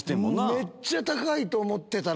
めっちゃ高いと思ってたのに。